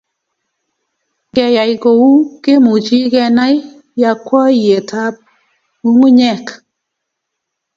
Ngeyai kou kemuchi Kenai yakwaiyetab ngungunyek